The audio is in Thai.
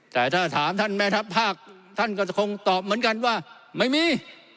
แต่ถ้าถามท่านแม่ทัพภาคท่านก็จะคงตอบเหมือนกันว่าไม่มี